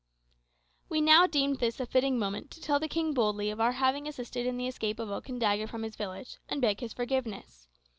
We now deemed this a fitting moment to tell the king boldly of our having assisted in the escape of Okandaga from his village, and beg his forgiveness.